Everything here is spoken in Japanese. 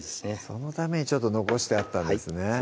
そのためにちょっと残してあったんですね